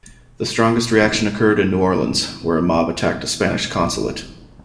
The strongest reaction occurred in New Orleans, where a mob attacked the Spanish consulate.